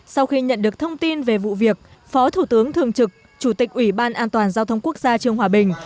sau khi nhận được thông tin về vụ việc phó thủ tướng thường trực chủ tịch ủy ban an toàn giao thông quốc gia trương hòa bình